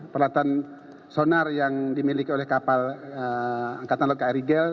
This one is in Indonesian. peralatan sonar yang dimiliki oleh kapal angkatan lokal rigel